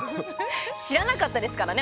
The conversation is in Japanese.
知らなかったですからね